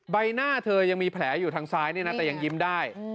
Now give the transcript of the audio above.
ใบหน้าเธอยังมีแผลอยู่ทางซ้ายเนี่ยนะแต่ยังยิ้มได้